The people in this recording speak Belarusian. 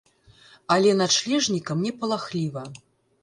Але начлежнікам не палахліва.